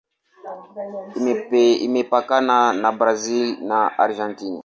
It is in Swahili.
Imepakana na Brazil na Argentina.